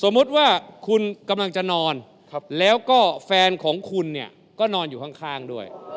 ว่าคุณกำลังจะนอนแล้วก็แฟนของคุณเนี่ยก็นอนอยู่ข้างด้วย